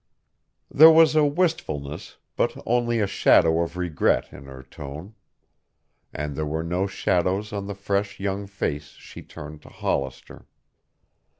There was a wistfulness, but only a shadow of regret in her tone. And there were no shadows on the fresh, young face she turned to Hollister.